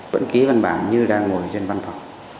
vẫn ký văn bản như đang ngồi trên văn phòng